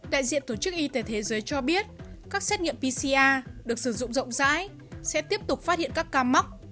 đại diện tổ chức y tế thế giới cho biết các xét nghiệm pcr được sử dụng rộng rãi sẽ tiếp tục phát hiện các ca mắc